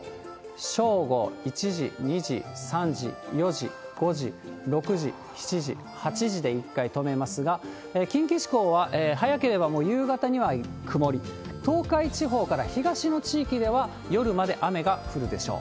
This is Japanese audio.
正午、１時、２時、３時、４時、５時、６時、７時、８時で一回止めますが、近畿地方は早ければもう夕方には曇り、東海地方から東の地域では夜まで雨が降るでしょう。